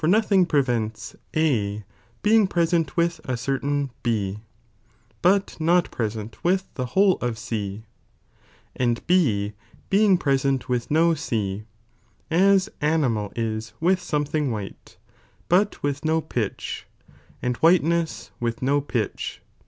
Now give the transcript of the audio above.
thing prevents A being present with acertain B, but not present with the whole of G, and 6 being present with no C, as animal is with something white, but with no pitch, and whiteness with no pitch.